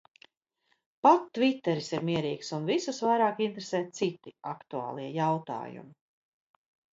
Pat tviteris ir mierīgs un visus vairāk interesē citi aktuālie jautājumi.